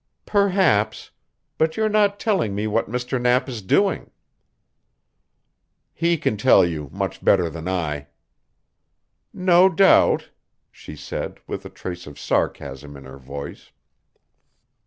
"Perhaps. But you're not telling me what Mr. Knapp is doing." "He can tell you much better than I." "No doubt," she said with a trace of sarcasm in her voice.